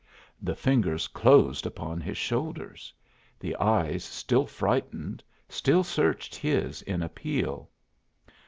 The fingers closed upon his shoulders. The eyes, still frightened, still searched his in appeal.